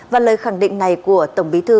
và lời khẳng định này của tổng bí thư